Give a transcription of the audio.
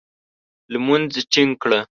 لمونځ ټینګ کړه !